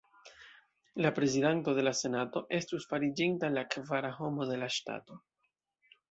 La prezidanto de la senato estus fariĝinta la kvara homo de la ŝtato.